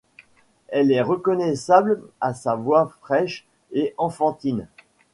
Elle est reconnaissable à sa voix fraiche et enfantine.